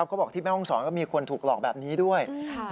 เขาบอกที่แม่ห้องศรก็มีคนถูกหลอกแบบนี้ด้วย